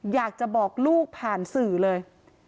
อยากจะบอกลูกผ่านสื่อเลย